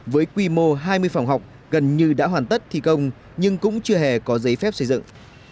với quy mô hai mươi phòng học gần như đã hoàn tất thi công nhưng cũng chưa hề có giấy phép xây dựng